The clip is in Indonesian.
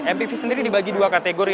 mpv sendiri dibagi dua kategori